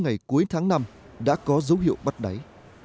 ngày cuối tháng năm đã có dấu hiệu bắt đáy